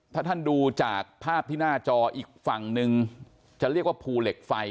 ถ้าท่านดูจากภาพที่หน้าจออีกฝั่งนึงจะเรียกว่าภูเหล็กไฟ